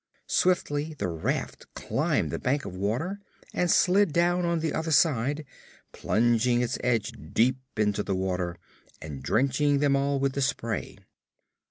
Swiftly the raft climbed the bank of water and slid down on the other side, plunging its edge deep into the water and drenching them all with spray.